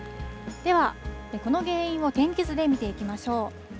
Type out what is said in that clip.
では、この原因を天気図で見ていきましょう。